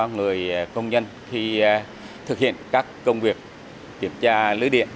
người công nhân khi thực hiện các công việc kiểm tra lưới điện